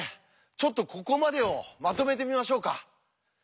ちょっとここまでをまとめてみましょうか。